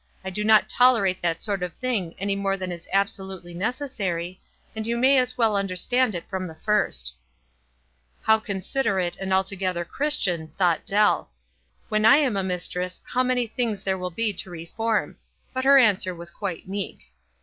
I do not toler ate that sort of thing any more than is absolutely 302 WISE AND OTHERWISE. necessary, and you may as well understand it from the first." How considerate, and altogether Christian, thought Dell. When I am mistress how many things there will be to reform ; but her answer was quite meek.